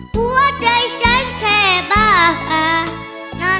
หัวใจฉันแค่บ้า